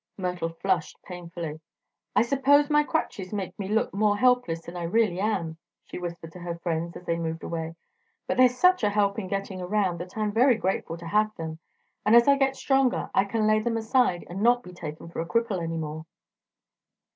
Myrtle flushed painfully. "I suppose my crutches make me look more helpless than I really am," she whispered to her friends as they moved away. "But they're such a help in getting around that I'm very grateful to have them, and as I get stronger I can lay them aside and not be taken for a cripple any more."